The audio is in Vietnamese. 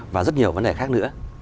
và rất nhiều vấn đề khác nữa